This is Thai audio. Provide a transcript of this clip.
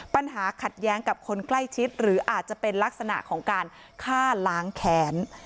ปัญหาขัดแย้งกับคนใกล้ชิดหรือลักษณะข้าล้างแขน